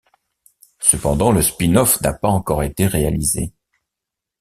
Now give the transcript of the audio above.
Cependant, le spin-off n'a pas encore été réalisé.